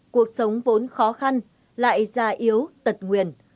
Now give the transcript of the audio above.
cuộc sống vốn khó khăn lại già yếu tật nguyền